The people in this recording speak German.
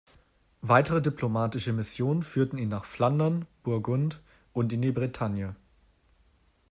Weitere diplomatische Missionen führten ihn nach Flandern, Burgund und in die Bretagne.